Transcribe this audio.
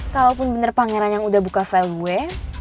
kalaupun bener pangeran yang udah buka file gue